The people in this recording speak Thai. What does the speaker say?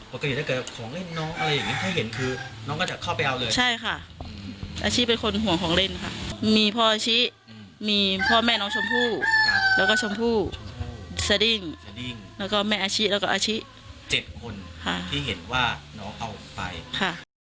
ปกติถ้าเกิดของเล่นน้องอะไรอย่างนี้ให้เห็นคือน้องก็จะเข้าไปเอาเลยใช่ค่ะอาชีพเป็นคนห่วงของเล่นค่ะมีพ่ออาชิมีพ่อแม่น้องชมพู่แล้วก็ชมพู่สดิ้งสดิ้งแล้วก็แม่อาชิแล้วก็อาชิเจ็ดคนค่ะที่เห็นว่าน้องเอาไปค่ะ